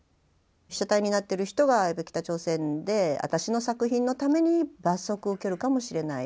被写体になってる人がいる北朝鮮で私の作品のために罰則を受けるかもしれない。